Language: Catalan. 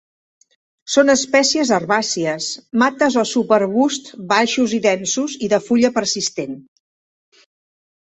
Són espècies herbàcies, mates o subarbusts baixos densos i de fulla persistent.